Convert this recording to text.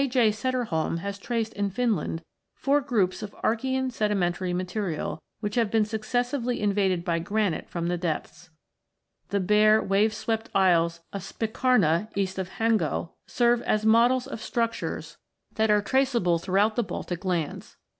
J. Sederholmdo9) has traced in Finland four groups of Archaean sedimentary material, which have been successively invaded by granite from the depths. The bare wave swept isles of Spikarna, east of Hango, serve as models of structures that are traceable 160 ROCKS AND THEIR ORIGINS [CH. throughout the Baltic lands.